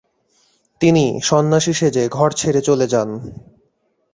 তিনি সন্ন্যাসী সেজে ঘর ছেড়ে চলে যান।